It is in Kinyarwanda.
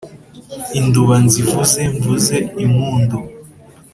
induba nzivuze: mvuze impundu